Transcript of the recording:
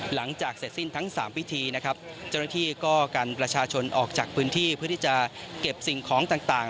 หลังจากเสร็จสิ้นทั้งสามพิธีนะครับเจ้าหน้าที่ก็กันประชาชนออกจากพื้นที่เพื่อที่จะเก็บสิ่งของต่าง